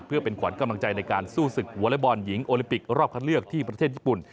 เพื่อเป็นขวัญกำลังใจในการสู้ศึกวอเล็กบอลหญิงโอลิมปิกรอบคัดเลือกที่ประเทศญี่ปุ่น